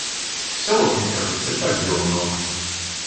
В селах, мне кажется, и так дела много.